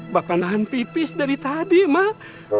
bapak nahan pipis dari tadi mak